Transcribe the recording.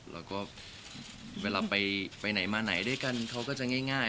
แล้วก็เวลาไปไหนมาไหนด้วยกันเขาก็จะง่าย